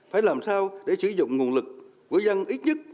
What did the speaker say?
phải làm sao để sử dụng nguồn lực của dân ít nhất